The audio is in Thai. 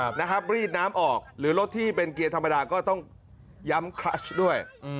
นะครับรีดน้ำออกหรือรถที่เป็นเกียร์ธรรมดาก็ต้องย้ำคลัชด้วย